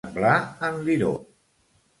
Semblar en Liró.